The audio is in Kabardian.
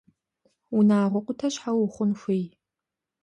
Унагъуэ къутэ щхьэ ухъун хуей?